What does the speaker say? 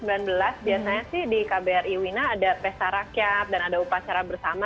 karena karena covid sembilan belas biasanya sih di kbri wina ada pesta rakyat dan ada upacara bersama